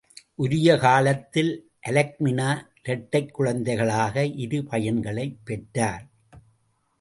உரிய காலத்தில் அல்க்மினா இரட்டைக் குழந்தைகளாக இரு பையன்களைப் பெற்றாள்.